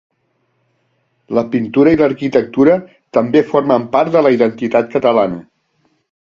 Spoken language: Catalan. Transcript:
La pintura i l'arquitectura també formen part de la identitat catalana.